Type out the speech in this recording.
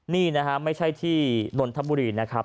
ที่มหาศกภามที่นทบุรีนะครับ